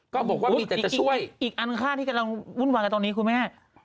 ก็บอกว่ามีแต่ช่วยอีกอันค่าที่กำลังวุ่นวายกันตอนนี้คุณแม่